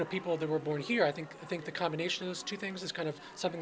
saya pikir pergabungan dua hal ini adalah sesuatu yang bisa dia hubungi